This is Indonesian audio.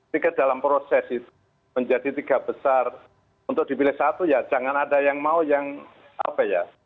tiket dalam proses itu menjadi tiga besar untuk dipilih satu ya jangan ada yang mau yang apa ya